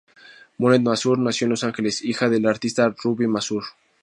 Monet Mazur nació en Los Ángeles, hija del artista Ruby Mazur.